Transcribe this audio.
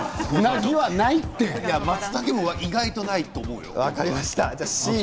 まつたけも意外とないと思うよ。